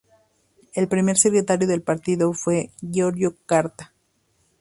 El primer secretario del partido fue Giorgio Carta.